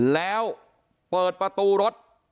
แล้วเปิดประตูรถ